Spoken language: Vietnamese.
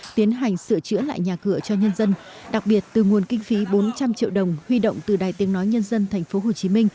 tiến hành sửa chữa lại nhà cửa cho nhân dân đặc biệt từ nguồn kinh phí bốn trăm linh triệu đồng huy động từ đài tiếng nói nhân dân tp hcm